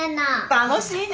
楽しいね！